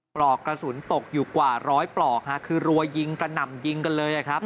ปลอกกระสุนตกอยู่กว่าร้อยปลอกคือรัวยิงกระหน่ำยิงกันเลยครับ